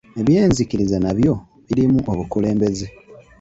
Ebyenzikiriza nabyo birimu obukulembeze.